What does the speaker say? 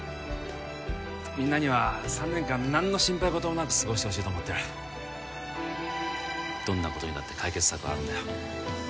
みんなには３年間何の心配ごともなくすごしてほしいと思ってるどんなことにだって解決策はあるんだよ